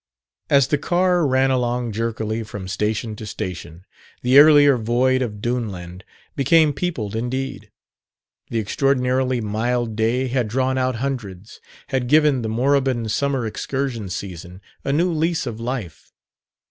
As the car ran along jerkily from station to station, the earlier void of Duneland became peopled indeed. The extraordinarily mild day had drawn out hundreds had given the moribund summer excursion season a new lease of life.